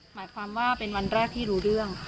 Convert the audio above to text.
หมายความว่าเป็นวันแรกที่รู้เรื่องค่ะ